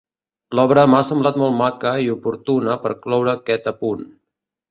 L'obra m'ha semblat molt maca i oportuna per cloure aquest apunt.